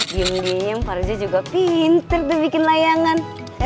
diam diam pak riza juga pintar tuh bikin layangan